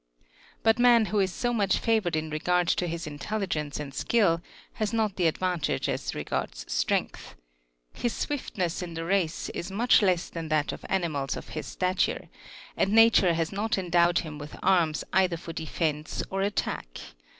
9. But man who is so much favoured in regard to his intelligence and skill, has not the advantage as regards strength. His swift ness in the race is much less than that of animals of his stature, and Nature has not endowed him with arms either for defence or attack.